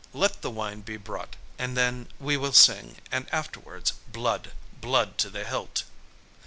Let the wine be brought, and then, we will sing; and afterwards blood blood to the hilt."